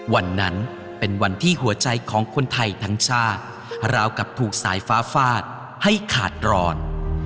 วันนั้นเป็นวันที่หัวใจของคนไทยทั้งชาติราวกับถูกสายฟ้าฟาดให้ขาดร้อน